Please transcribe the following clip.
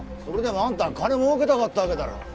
それでもあんたは金儲けたかったわけだろ。